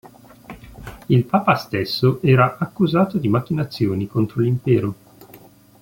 Il papa stesso era accusato di macchinazioni contro l'impero.